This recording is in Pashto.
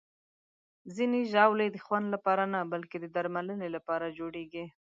ځینې ژاولې د خوند لپاره نه، بلکې د درملنې لپاره جوړېږي.